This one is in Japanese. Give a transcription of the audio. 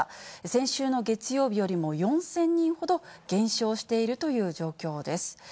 先週の月曜日よりも４０００人ほど減少しているという状況です。